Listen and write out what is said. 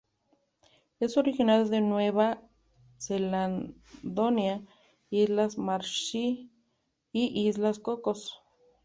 Es originario de Nueva Caledonia, Islas Marshall y las Islas Cocos.